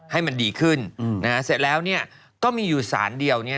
ให้มันดีขึ้นเสร็จแล้วก็มีอยู่สารเดียว